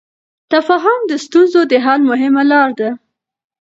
تفاهم د ستونزو د حل مهمه لار ده.